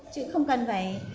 chứ không cần phải